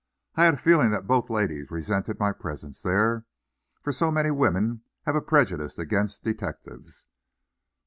I had a feeling that both ladies resented my presence there, for so many women have a prejudice against detectives.